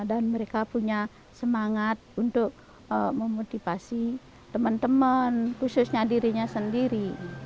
dan mereka punya semangat untuk memotivasi teman teman khususnya dirinya sendiri